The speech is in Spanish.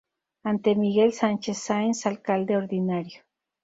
Ante Miguel Sánchez Sáenz, alcalde ordinario.